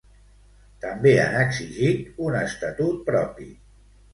També han exigit un estatut propi.